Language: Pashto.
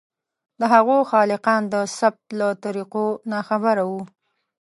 د هغو خالقان د ثبت له طریقو ناخبره وو.